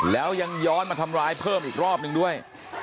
แล้วยังย้อนมาทำร้ายเพิ่มอีกรอบนึงด้วย